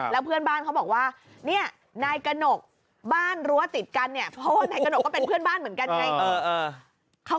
แล้วเพื่อนบ้านเขาบอกว่าเนี่ยนายกระหนกบ้านรั้วติดกันเนี่ยเพราะว่านายกระหกก็เป็นเพื่อนบ้านเหมือนกันไง